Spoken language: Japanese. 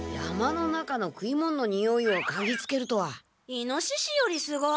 イノシシよりすごい。